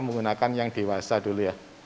menggunakan yang dewasa dulu ya